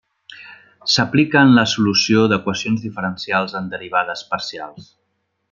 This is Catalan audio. S'aplica en la solució d'equacions diferencials en derivades parcials.